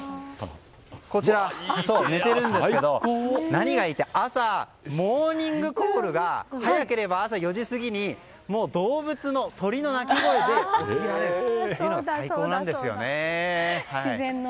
こちら、寝てるんですけど何がいいって朝、モーニングコールが早ければ朝４時過ぎに動物、鳥の鳴き声で起きられるのが最高なんですね。